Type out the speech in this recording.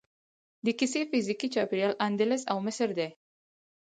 د کیسې فزیکي چاپیریال اندلس او مصر دی.